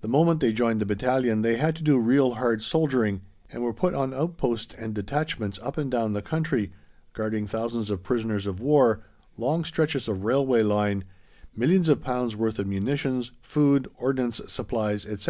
The moment they joined the battalion they had to do real hard soldiering, and were put on outposts and detachments up and down the country, guarding thousands of prisoners of war, long stretches of railway line, millions of pounds worth of munitions, food, ordnance supplies, etc.